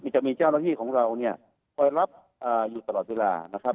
จะมีเจ้าระที่อยู่ตลอดเวลา